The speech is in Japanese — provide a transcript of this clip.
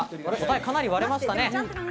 かなり割れましたね。